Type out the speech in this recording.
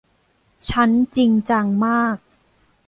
ฉันจริงจังมาก